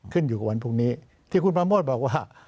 ขึ้นอยู่กับวันพรุ่งนี้ที่คุณประโมทบอกว่า